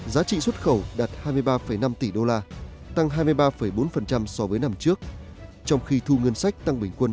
giá trị xuất khẩu đạt hai mươi ba năm tỷ đô la tăng hai mươi ba bốn so với năm trước trong khi thu ngân sách tăng bình quân